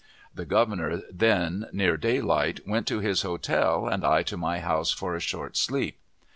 The Governor then, near daylight, went to his hotel, and I to my house for a short sleep.